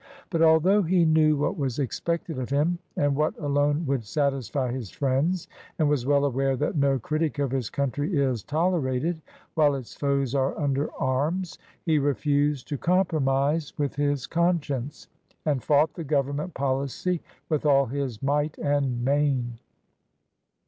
But although he knew what was expected of him and what alone would satisfy his friends, and was well aware that no critic of his country is toler ated while its foes are under arms, he refused to compromise with his conscience and fought the government policy with all his might and main.